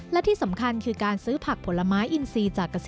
และที่สำคัญคือการซื้อผักผลไม้อินทรีย์จากกระเสธกร